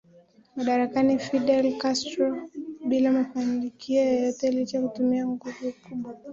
Madarakani Fidel Castro bila mafanikio yoyote licha kutumia nguvu kubwa